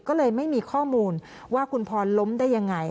ก็เลยไม่มีข้อมูลว่าคุณพรล้มได้ยังไง